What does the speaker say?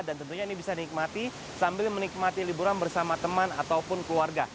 dan tentunya ini bisa dinikmati sambil menikmati liburan bersama teman ataupun keluarga